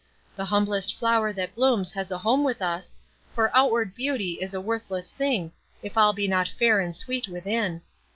The humblest flower that blooms has a home with us, for outward beauty is a worthless thing if all be not fair and sweet within.